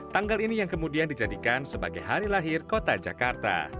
tanggal ini yang kemudian dijadikan sebagai hari lahir kota jakarta